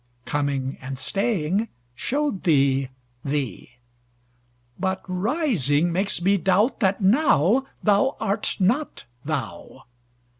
Coming and staying show'd thee thee; But rising makes me doubt that nowThou art not thou.